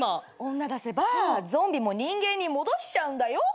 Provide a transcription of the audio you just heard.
女出せばゾンビも人間に戻しちゃうんだよ。